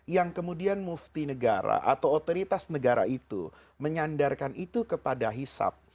yang kemudian mufti negara atau otoritas negara itu menyandarkan itu kepada hisap